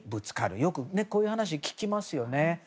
よくこういう話聞きますよね。